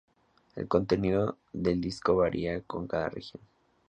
El contenido del disco varía con cada región.